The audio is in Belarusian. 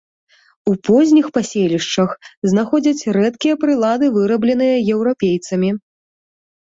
У позніх паселішчах знаходзяць рэдкія прылады, вырабленыя еўрапейцамі.